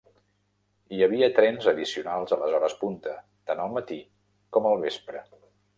Hi havia trens addicionals a les hores punta, tant al matí com al vespre.